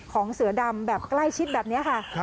เสือดำแบบใกล้ชิดแบบนี้ค่ะ